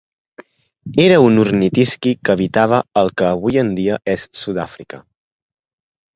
Era un ornitisqui que habitava al que avui en dia és Sud-àfrica.